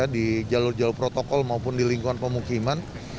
di jalur jalur protokol maupun di lingkungan pemukiman